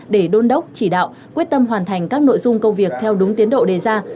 để đôn đốc chỉ đạo quyết tâm hoàn thành các nội dung công việc theo đúng tiến độ đề ra